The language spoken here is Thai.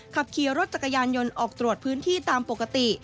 ขับขี่รถจักรยานยนต์ออกตรวจพื้นที่ตามปกติ